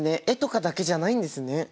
絵とかだけじゃないんですね。